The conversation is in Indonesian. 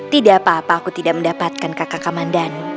tidak apa apa aku tidak mendapatkan kakak kakak mandan